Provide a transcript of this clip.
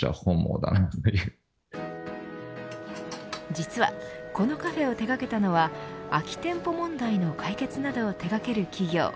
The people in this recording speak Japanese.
実はこのカフェを手掛けたのは空き店舗問題の解決などを手掛ける企業。